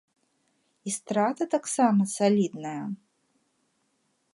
І страта таксама салідная!